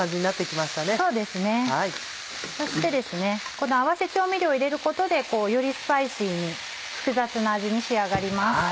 そしてここで合わせ調味料を入れることでよりスパイシーに複雑な味に仕上がります。